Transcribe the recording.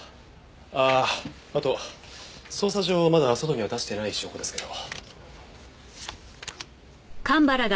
あっあと捜査上まだ外には出していない証拠ですけど。